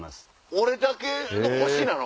俺だけの星なの？